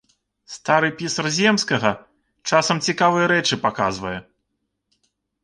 Стары пісар земскага часам цікавыя рэчы паказвае.